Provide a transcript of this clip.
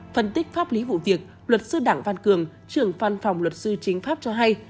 phân tích pháp lý vụ việc luật sư đảng văn cường trưởng phan phòng luật sư chính pháp cho hay